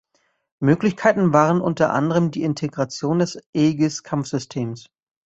Möglichkeiten waren unter anderem die Integration des Aegis-Kampfsystems.